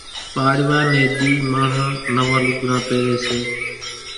پاڙِوا ني ۮِي ماڻۿان نوان لوڳڙان پيري سي۔